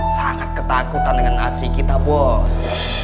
sangat ketakutan dengan aksi kita bos